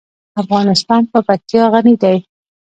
افغانستان په پکتیا غني دی.